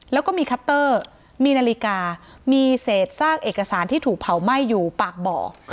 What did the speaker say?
แล้วก็มีคัตเตอร์มีนาฬิกามีเศษซากเอกสารที่ถูกเผาไหม้อยู่ปากบ่อ